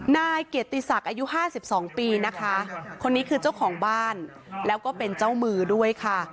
นายเกียรติศักดิ์อายุ๕๒ปีนะคะคนนี้คือเจ้าของบ้านแล้วก็เป็นเจ้ามือด้วยค่ะ